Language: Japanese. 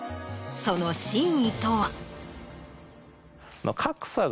その真意とは？